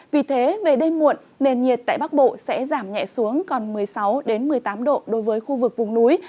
vì thế về đêm muộn nền nhiệt tại bắc bộ sẽ giảm nhẹ xuống còn một mươi sáu một mươi tám độ đối với khu vực vùng núi